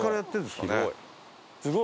すごい。